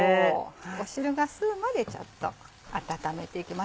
汁が吸うまでちょっと温めていきます。